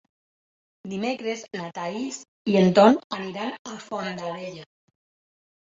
Dimecres na Thaís i en Ton aniran a Fondarella.